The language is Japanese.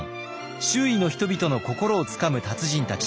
周囲の人々の心をつかむ達人たち。